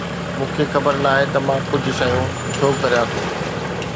مون کي خبر ناهي ته مان ڪجهه شيون ڇو ڪريان ٿو